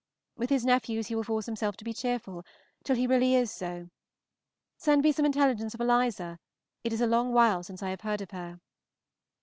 With his nephews he will force himself to be cheerful, till he really is so. Send me some intelligence of Eliza; it is a long while since I have heard of her.